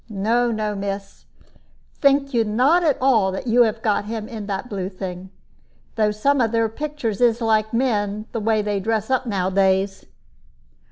No, no, miss; think you not at all that you have got him in that blue thing. Though some of their pictures is like men, the way they dress up nowadays."